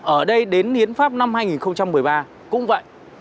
ở đây đến hiến pháp năm hai nghìn một mươi ba cũng vậy